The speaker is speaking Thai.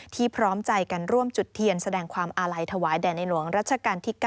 พร้อมใจกันร่วมจุดเทียนแสดงความอาลัยถวายแด่ในหลวงรัชกาลที่๙